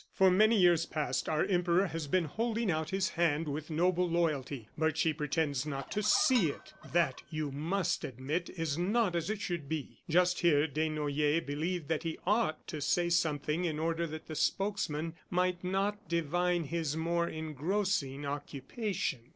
For many years past, our Emperor has been holding out his hand with noble loyalty, but she pretends not to see it. ... That, you must admit, is not as it should be." Just here Desnoyers believed that he ought to say something in order that the spokesman might not divine his more engrossing occupation.